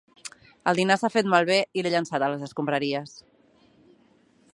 El dinar s'ha fet malbé i l'he llençat a les escombraries.